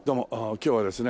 今日はですね